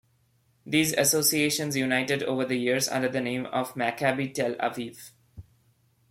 These associations united over the years under the name of Maccabi Tel Aviv.